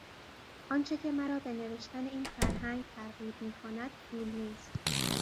آنچه که مرا به نوشتن این فرهنگ ترغیب میکند، پول نیست.